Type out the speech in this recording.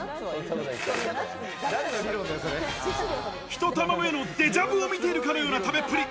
ひと玉目のデジャブを見ているかのような食べっぷり！